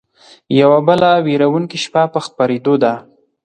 يوه بله وېرونکې شپه په خپرېدو ده